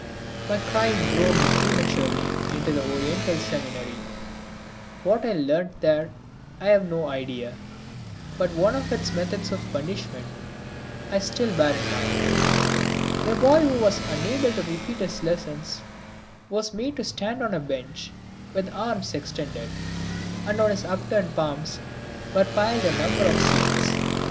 My crying drove me prematurely into the Oriental Seminary. What I learnt there I have no idea, but one of its methods of punishment I still bear in mind. The boy who was unable to repeat his lessons was made to stand on a bench with arms extended, and on his upturned palms were piled a number of slates.